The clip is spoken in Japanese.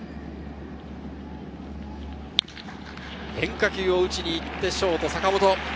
変化球を打ちにいって、ショート・坂本。